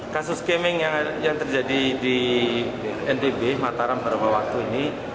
kasus gaming yang terjadi di ntb mataram beberapa waktu ini